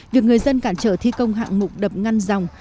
việc người dân cản trở thi công hạng mục đập ngăn dòng